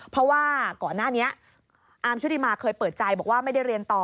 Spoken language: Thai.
เพราะว่าก่อนหน้านี้อาร์มชุติมาเคยเปิดใจบอกว่าไม่ได้เรียนต่อ